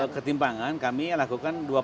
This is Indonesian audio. untuk ketimpangan kami lakukan dua pendekatan